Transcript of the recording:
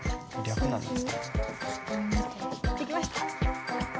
できました。